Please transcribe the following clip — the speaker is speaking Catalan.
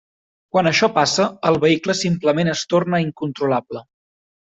Quan això passa, el vehicle simplement es torna incontrolable.